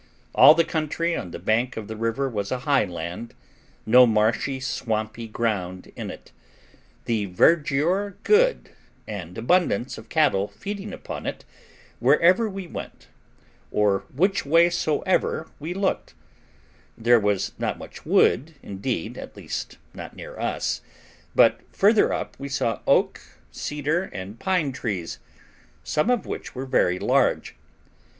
All the country on the bank of the river was a high land, no marshy swampy ground in it; the verdure good, and abundance of cattle feeding upon it wherever we went, or which way soever we looked; there was not much wood indeed, at least not near us; but further up we saw oak, cedar, and pine trees, some of which were very large.